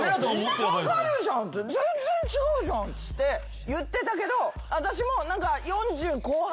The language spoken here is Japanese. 分かるじゃん全然違うじゃんっつって言ってたけど私も。